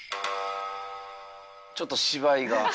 ちょっと芝居が。